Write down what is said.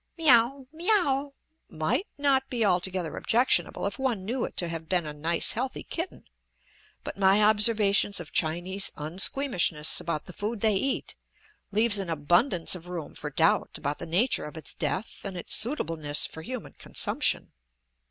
"Me aow, me aow" might not be altogether objectionable if one knew it to have been a nice healthy kitten, but my observations of Chinese unsqueamishness about the food they eat leaves an abundance of room for doubt about the nature of its death and its suitableness for human consumption.